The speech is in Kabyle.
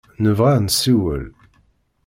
Nebɣa ad nessiwel.